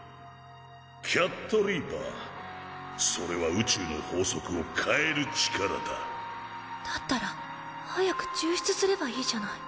キャットリーパーそれは宇宙の法則を変える力だだったら早く抽出すればいいじゃない